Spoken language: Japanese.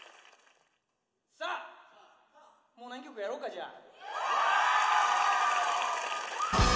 さあもう何曲かやろうかじゃあ。